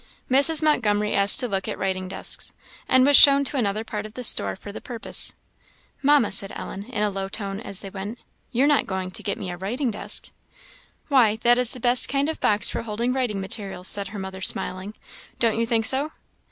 Mrs. Montgomery asked to look at writing desks, and was shown to another part of the store for the purpose. "Mamma," said Ellen, in a low tone, as they went, "you're not going to get me a writing desk?" "Why, that is the best kind of box for holding writing materials," said her mother, smiling; "don't you think so?"